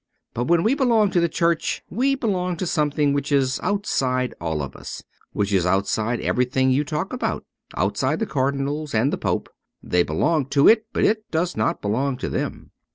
But when we belong to the Church we belong to something which is outside all of us : which is outside everything you talk about, outside the Cardinals and the Pope. They belong to it, but it does not belong to them.